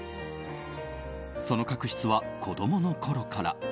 その確執は子供のころから。